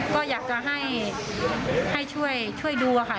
ก็อยากจะให้ช่วยดูค่ะ